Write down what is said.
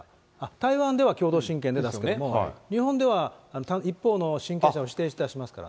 台湾では共同親権で出すけれども、日本では一方の親権者を指定して出しますから。